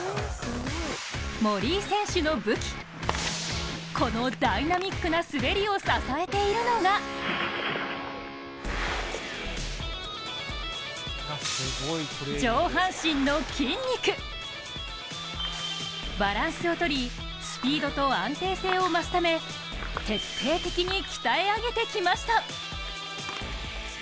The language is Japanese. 森井選手の武器、このダイナミックな滑りを支えているのがバランスを取り、スピードと安定性を増すため、徹底的に鍛え上げてきました。